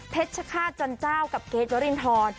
ชฆาตจันเจ้ากับเกรทวรินทร